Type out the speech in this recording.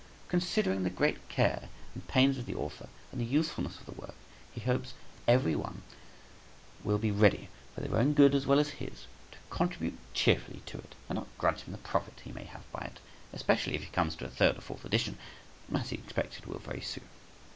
Considering the great care and pains of the author, and the usefulness of the work, he hopes every one will be ready, for their own good as well as his, to contribute cheerfully to it, and not grudge him the profit he may have by it, especially if he comes to a third or fourth edition, as he expects it will very soon.